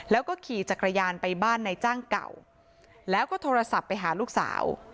แล้วก็ขี่จักรยานไปบ้านในจ้างเก่าแล้วก็โทรศัพท์ไปหาลูกสาว